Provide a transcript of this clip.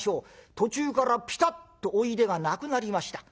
途中からピタッとおいでがなくなりました。